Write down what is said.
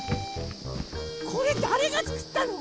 これだれがつくったの？